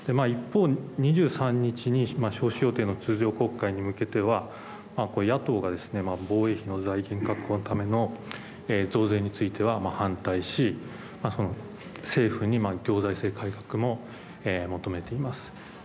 一方、２３日に召集予定の通常国会に向けては野党が防衛費の確保のための増税については反対しその政府に改革も求めています。